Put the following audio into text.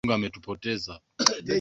Watu wachoyo walifukuzwa mkutanoni